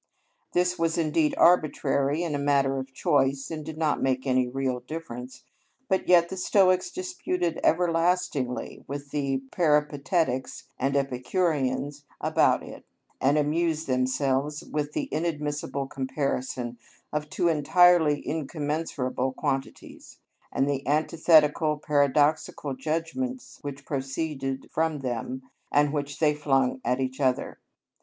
This was indeed arbitrary and a matter of choice, and did not make any real difference, but yet the Stoics disputed everlastingly with the Peripatetics and Epicureans about it, and amused themselves with the inadmissible comparison of two entirely incommensurable quantities, and the antithetical, paradoxical judgments which proceeded from them, and which they flung at each other.